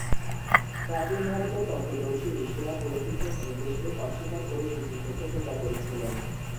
প্রাচীন ভারতের তত্ত্বদর্শী ঋষিরা পুরোহিতদের নির্দেশকে অস্বীকার করে শুদ্ধ সত্য প্রচার করেছিলেন।